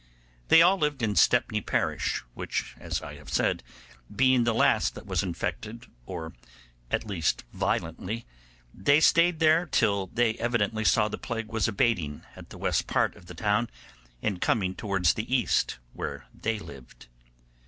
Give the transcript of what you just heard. They all lived in Stepney parish, which, as I have said, being the last that was infected, or at least violently, they stayed there till they evidently saw the plague was abating at the west part of the town, and coming towards the east, where they lived.